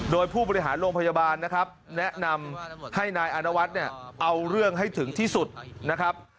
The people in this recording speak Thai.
โดยผู้บริหารโรงพยาบาลนะครับแนะนำให้นายอานวัฒน์เนี่ยเอาเรื่องให้ถึงที่สุดนะครับ